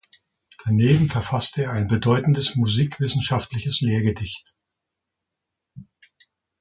Daneben verfasste er ein bedeutendes musikwissenschaftliches Lehrgedicht.